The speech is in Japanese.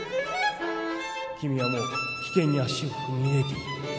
君はもう危険に足を踏み入れている